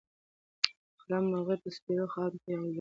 خړه مرغۍ په سپېرو خاورو کې راولوېده.